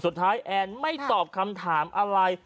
สุดท้ายแอนไม่ตอบคำถามอะไร